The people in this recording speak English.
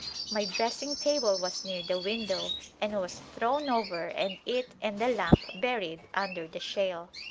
My dressing table was near the window and was thrown over and it and the lamp buried under the shale.